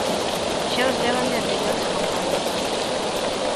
Xa os levan de anteriores campañas.